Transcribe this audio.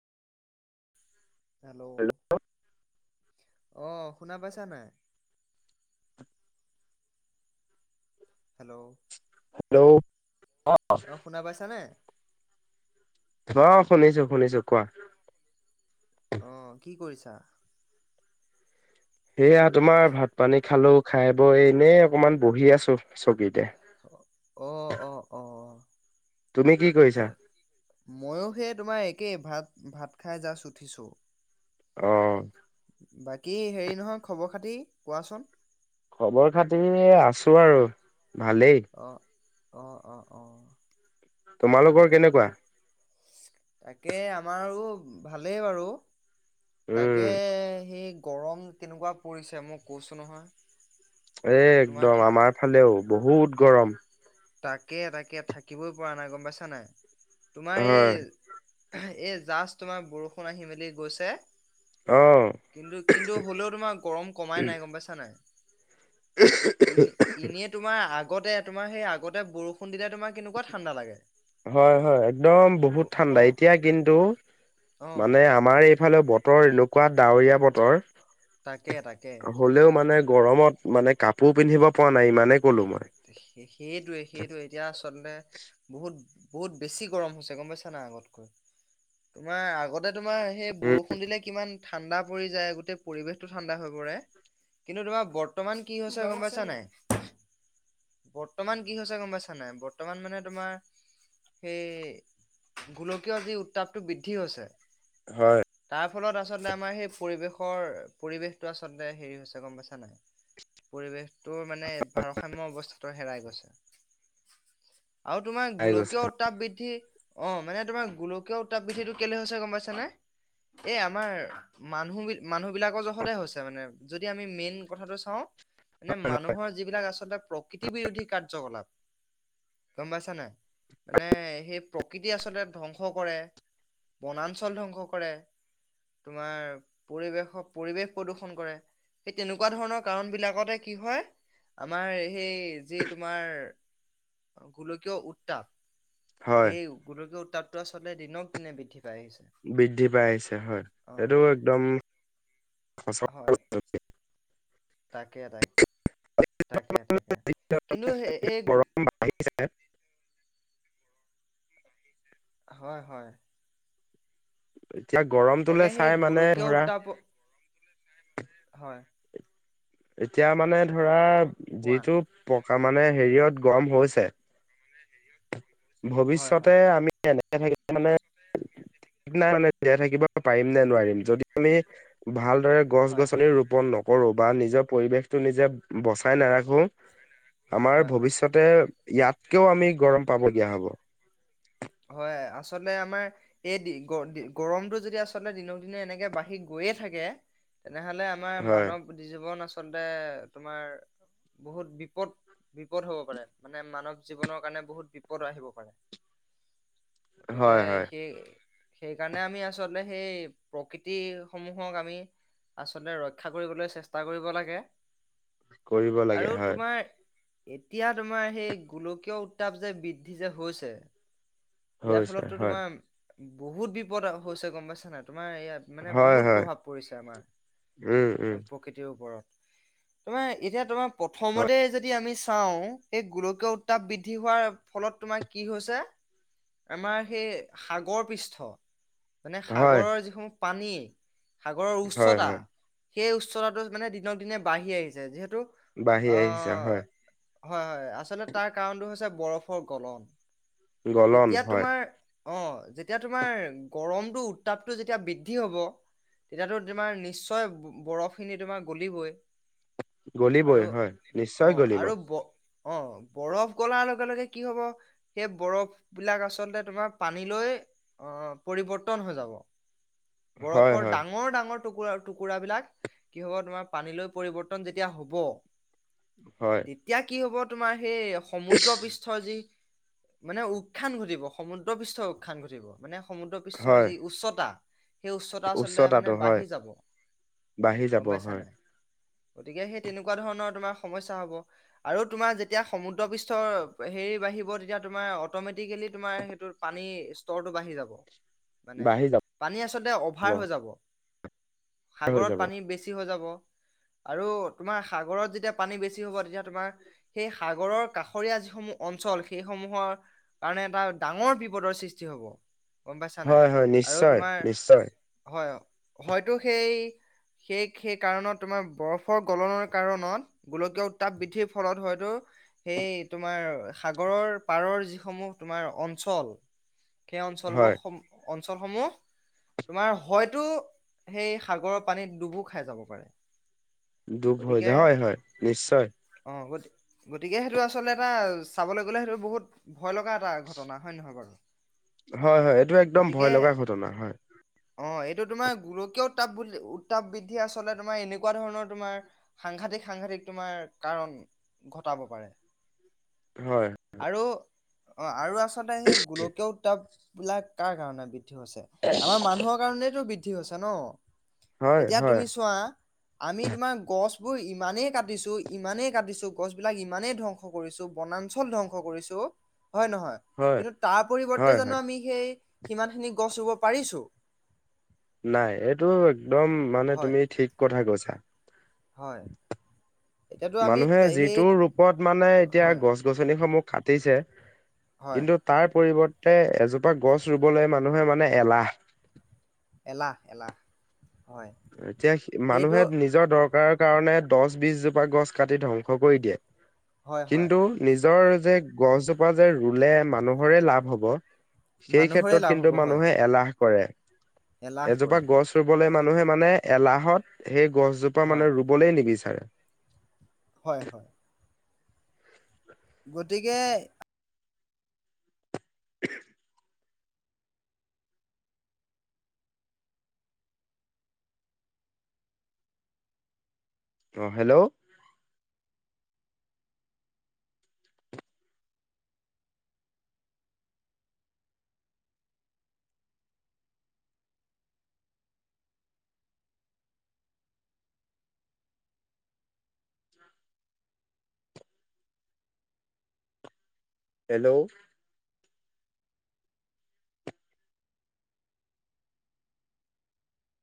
Hello. অ' শুনা পাইছে? [inaudible] হেল্ল' হেল্ল' অ শুনা পাইছানে? অ, শুনিছো শুনিছো কোৱা। অ কি কৰিছা? ছা। সেয়া তোমাৰ ভাত পানী খালো। খাই বৈ এনেই অকমান বহি আছো চকীতে। অ অ অ, তুমি কি কৰিছা? ময়ো সেই তোমাৰ একেই ভাত। ভাত খাই জাছ উঠিছোঁ। অ। বাকী হেৰি নহয় খবৰ খাতি কোৱাচোন। খবৰ খাতি আছোঁ আৰু। ভালেই। অ অ অ অ। তাকে তোমালোকৰ তাকে কেনেকুৱা? তাকে আমাৰো ভালেই বাৰু। উম, তাকে সি। গৰম কেনেকুৱা পৰিছে মই কৈছোঁ নহয়। এ তোমাৰ একদম থা আমাৰ ফালেও। বহুত গৰম। তাকে তাকে, থাকিবই পৰা নাই গম পাইছা নাই। তোমাৰ হয় এই। এ জাষ্ট তোমাৰ বৰষুণ আহি মেলি গৈছে। অ'। কিন্তু কিন্তু হ'লেও তোমাৰ গৰম কমাই নাই গম পা। ইছা নাই? ইনে এনে তোমাৰ আগ। আগতে, তোমাৰ সেই আগত। বৰষুণ দিলে। তোমাৰ কেনেকুৱা ঠাণ্ডা লাগে হয় হয়, একদম বহুত ব- ঠাণ্ডা অ এতিয়া কিন্তু অ মানে আমাৰ এই। ইফালে বতৰ এনেকুৱা ডাৱৰীয়া বতৰ। তাকে তাকে হ'লেও মানে গৰমত মানে। কাপোৰ পিন্ধিব পৰা নাই ইমানে। ক'লো মই। সেইটোৱে সেইটোয়ে এতিয়া। আচলতে বহুত। বহুত বেছি গৰম হৈছে গম হৈছে গম পাইছা নাই আগতকৈ তোমাৰ আগতে। তোমাৰ সেই উম, বৰষুণ দিলে কিমান। ঠাণ্ডা পৰি যায় গোটেই পৰিবেশটো ঠাণ্ডা হৈ পৰে কিন্তু তোমাৰ বৰ্তমান কি হৈছে গম পাইছা নাই। বৰ্তমান কি হৈছে গম পাইছানাই বৰ্তমান মানে তোমাৰ সেই গোলকীয় যি উত্তাপটো বৃদ্ধি হছে। হয়। তাৰ ফলত আচলতে আমাৰ সেই পৰিৱেশ। কৰ পৰিৱেশটো আচলতে হেৰি হৈছে গম পাইছা নাই পৰিৱেশটো মানে ভা। ষাম্য অৱস্থাটো হেৰাই গৈছে। [unintelligible] আৰু তোমাৰ পাই গৈছে গোলকীয় উত্তাপ বৃদ্ধি। অ মানে তোমাৰ গোলকীয় উত্তাপ বিৃদ্ধিটো কেলে হৈছে গম পাইছে নে এই আমাৰ মানুহ মানুহ বিলাকৰ জখতে হৈছে মানে যদি আমি মেইন কথাটো চাওঁ। [unintelligible] এনে মানুহৰ যিবিলাক আছ। আচলতে প্ৰকৃতি বিৰোধী কাৰ্যকলাপৰ গম পাইছানে। মানে সেই। প্ৰকৃতি আচলতে ধ্বংস কৰে বনাঞ্চল ধ্বংস কৰে তোমাৰ পৰিৱেশ পৰিৱেশ প্ৰদূষন কৰে সেই তেনেকুৱা ধৰণৰ কাৰণ বিলাকতে কি হয়। আমাৰ। সেই যি তোমাৰ। গোলকীও উত্তাপ। [unintelligible] হয় সেই গোলকীয়। [unintelligible] তাততো আচলতে দিনক দিনে বৃদ্ধি। পাই আহিছে। বৃদ্ধি পাই আহিছে হয় অ' সেইটো একদম। সঁচা কথা। হয়। তাকে তাক। তাকে তাকে কিন্তু সে এই। গৰম বাঢ়ি হয় হয়। এতিয়া তাকে গৰমটোলে সেই চাই মানে গোলকীয় ধৰা। উত্তাপ হয়। এতিয়া মানে ধৰা। কোৱা যিহেতু প। কা মানে হেৰিয়ত গৰম হৈছে। [unintelligible] হয় ভৱিষ্যতে হয় আমি এনে। [unintelligible] মানে ঠিক নাই মানে জিয়াই থাকিব পাৰিম নে নোৱাৰিম যদি আমি ভাল। দৰে গছ হয় গছনি হয় ৰোপন নকৰো। বা নিজৰ পৰিৱেশটো নিজে বচাই নাৰাখো। আমাৰ হয় হয়। ভৱিষ্যতে ইয়াতকেও আমি গৰম। পাব। দিয়া হ'ব। হয় আচলতে আমাৰ এই দি গ গৰমতটো যদি আচলতে দিনক দিনে এনেকে বাঢ়ি গৈয়ে থাকে তেনেহ'লে আমাৰ হয় মানৱ দ জীৱন নাচ [unintelligible] আচলতে তোমাৰ বহুত বিপদ বিপদ হব পাৰে, মানে মানৱ জীৱনৰ কাৰণে বহুত বিপদ আহিব পাৰে। [unintelligible] গতিকে হয় হয় সেই সেইকাৰণে আমি আচলতে সেই প্ৰকৃতি সমূহক আমি আচলতে ৰক্ষা কৰিবলৈ চেষ্টা কৰিব লাগে। কৰিব আৰু লাগে হয়। তোমাৰ এতিয়া তোমাৰ সেই গোলকীয় উত্তাপ যে বৃদ্ধি যে হৈছে, ইয়াৰ হৈছে ফলতটো হয় তোমাৰ বহুত বিপদ হৈছে গম পাইছ নাই তোমাৰ ইয়াত মানে হয় বহুত হয় প্ৰভাৱ পৰিছে উম উম আমাৰ প্ৰকৃতিৰ ওপৰত। তোমাৰ এতিয়া তোমাৰ হয় প্ৰথমতে যদি আমি চাও এই গোলকীয় উত্তাপ বৃদ্ধি হোৱাৰ ফলত তোমাৰ কি হৈছে, আমাৰ সেই সাগৰ পৃষ্ঠ, মানে হয় সাগৰৰ যিসমূহ পানী, সাগৰৰ হয় উচ্চতা, হয় সেই উচ্চতাটো মানে দিনক দিনে বাঢ়ি আহিছে। যিহেতু, বাঢ়ি আহিছে আহ হয়। হয় হয় আচলতে তাৰ কাৰণটো হৈছে বৰফৰ গলন। গলন যেতিয়া হয়। তোমাৰ অ যেতিয়া তোমাৰ গৰমটো উত্তাপটো যেতিয়া বৃদ্ধি হব তেতিয়াতো তোমাৰ নিশ্চয় বৰফখিনি তোমাৰ গলিবই। গলিবই আৰু হয় নিশ্চয় অ', গলিব। আৰু ব অ বৰফ গলাৰ লগে লগে কি হব সেই বৰফ বিলাক আচলতে তোমাৰ পানীলৈ অ পৰিবৰ্তন হৈ যাব। হয় বৰফৰ হয় ডাঙৰ ডাঙৰ টুকুৰা টুকুৰা বিলাক কি হব তোমাৰ পানীলৈ পৰিৱৰ্তন যেতিয়া হব, হয় তেতিয়া কি হ'ব। তোমাৰ সেই সমুদ্ৰ পৃষ্ঠ যি মানে উ উৎখান ঘটিব সমুদ্ৰ বিশ্বৰ উখান ঘটিব। মানে সমুদ্ৰ পৃষ্ঠৰ হয় যি উচ্চতা, সেই উচ্চতা আচলতে মানে উচ্চতাটো হয় বাঢ়ি যাব। বাঢ়ি যাব গম পাইছা হয় নাই। গতিকে সেই তেনেকোৱা ধৰনৰ তোমাৰ সমস্যা হব, আৰু তোমাৰ যেতিয়া সমুদ্ৰ পৃষ্ঠৰ হেৰি বাঢ়িব তেতিয়া তোমাৰ অতমেটিকেলি তোমাৰ সেইটো পানী স্তৰ তো বাঢ়ি যাব। মানে বাঢ়ি যাব পানী আচলতে অভাৰ হৈ যাব। হৈ সাগৰত যাব পানী বেছি হৈ যাব। আৰু তোমাৰ সাগৰত যেতিয়া পানী বেছি হ'ব তেতিয়া তোমাৰ সেই সাগৰৰ কাষৰীয়া যিসমূহ অঞ্চল সেই সমূহৰ কাৰণে এটা ডাঙৰ বিপদৰ সৃষ্টি হব। গম পাইছা নাই হয় হয় আৰু নিশ্চয় তোমাৰ নিশ্চয় হয় হয়তো সেই সেই সেই কাৰণত তোমাৰ বৰফৰ গলনৰ কাৰণত গোলকীয় উত্তাপ বৃদ্ধিৰ ফলত হয়তো সেই তোমাৰ সাগৰৰ পাৰৰ যি সমূহ তোমাৰ অঞ্চল সেই অঞ্চলবোৰ হয় অঞ্চলসমূহ তোমাৰ হয়তো সেই সাগৰৰ পানীত ডুবো খাই যাব পাৰে দুব হৈ গতিকে যায় হয় হয় নিশ্চয় অ গতি গতিকে সেইটো আচলতে এটা চাবলৈ গ'লে সেইটো বহুত ভয় লগা এটা ঘটনা হয় নহয় বাৰু হয় হয় এইটো একদম ভয় গতিকে লগা ঘটনা হয় অ এইটো তোমাৰ গোলকীয় উত্তাপ উত্তাপ বৃদ্ধি আচলতে তোমাৰ এনেকুৱা ধৰণৰ তোমাৰ সাংঘাতিক সাংঘাতিক তোমাৰ কাৰণ ঘটাব পাৰে হয় আৰু অ আৰু আচ তে সেই গোলকীয় উত্তাপ বিলাক কাৰ কাৰণে ব [unintelligible] আমাৰ মানুহৰ কাৰণেতো বৃদ্ধি হৈছে ন হয় এতিয়া হয় তুমি চোৱা আমি তোমাৰ গছবোৰ ইমানেই কাটিছো ইমানেই কাটিছো গছবিলাক ইমানেই ধ্বংস কৰিছো বনাঞ্চল ধ্বংস কৰিছো হয় নহয় হয় কিন্তু তাৰ পৰিৱৰ্তে হয় জানো হয় আমি সেই সিমানখিনি গছ ৰুব পাৰিছো নাই এইটো একদম মানে হয় তুমি ঠিক কথা কৈছা হয় এতিয়াতো আমি মানুহে ত- সেই যিটো ৰূপত মানে এতিয়া হয় গছ গছনিসমূহ কাটিছে হয় কিন্তু তাৰ পৰিৱৰ্তে তে এজোপা গছ ৰুবলৈ মানুহে মানে এলাহ এলাহ এলাহ হয় এতিয়া সেইটো মানুহে নিজৰ দৰকাৰ কাৰণে দহ বিশজোপা গছ কাটি ধ্বংস কৰি দিয়ে হয় হয় কিন্তু নিজ নিজৰ যে গছজোপা যে ৰুলে মানুহৰে লাভ হ'ব সেই মানুহৰে ক্ষেত্ৰত লাভ হ'ব কিন্তু হয় মানুহে এলাহ কৰে এলাহ এজোপা কৰে গছ ৰুবলৈ মানে মানুহে মানে এলাহত সেই গছজোপা হয় মানে ৰুবলৈ নিবিচাৰে হয় হয় [inaudible] গতিকে [unintelligible] অ হেল্ল' হেল্ল'